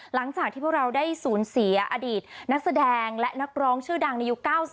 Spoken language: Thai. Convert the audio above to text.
หลังจากที่พวกเราได้สูญเสียอดีตนักแสดงและนักร้องชื่อดังในยุค๙๐